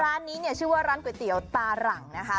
ร้านนี้ชื่อว่าร้านก๋วยเตี๋ยวตารังนะครับ